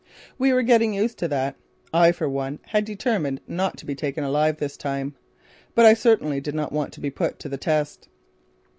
We were getting used to that. I, for one, had determined not to be taken alive this time. But I certainly did not want to be put to the test.